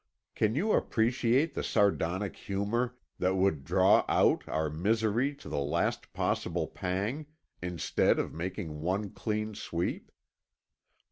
Can you appreciate the sardonic humor that would draw out our misery to the last possible pang, instead of making one clean sweep?